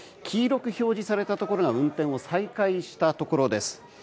黄色く表示されているのが運転を再開したところです。